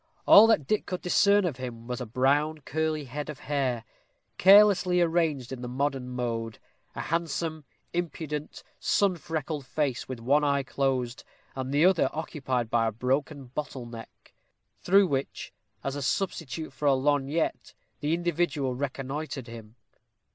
All that Dick could discern of him was a brown curly head of hair, carelessly arranged in the modern mode; a handsome, impudent, sun freckled face, with one eye closed, and the other occupied by a broken bottle neck, through which, as a substitute for a lorgnette, the individual reconnoitered him.